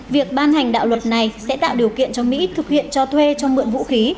việc ban hành đạo luật này sẽ tạo điều kiện cho mỹ thực hiện cho thuê cho mượn vũ khí